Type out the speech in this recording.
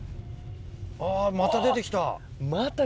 あぁまた出てきた。